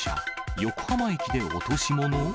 横浜駅で落とし物？